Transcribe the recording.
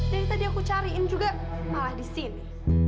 dari tadi aku cariin juga malah di sini